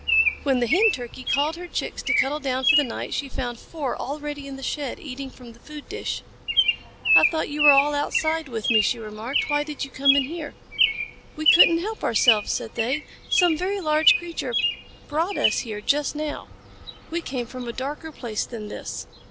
When the Hen Turkey called her Chicks to cuddle down for the night, she found four already in the shed, eating from the food dish. "I thought you were all outside with me," she remarked. "Why did you come in here?" "We couldn't help ourselves," said they. "Some very large creature brought us here just now. We came from a darker place than this."